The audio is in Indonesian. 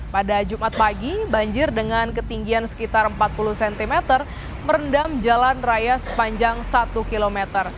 pada jumat pagi banjir dengan ketinggian sekitar empat puluh cm merendam jalan raya sepanjang satu km